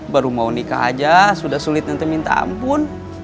baru mau nikah aja sudah sulit nanti minta ampun